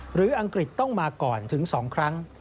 อังกฤษต้องมาก่อนถึง๒ครั้ง